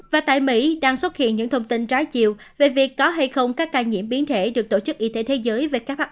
và tại mỹ đang xuất hiện những thông tin trái chiều về việc có hay không các ca nhiễm biến thể được tổ chức y tế thế giới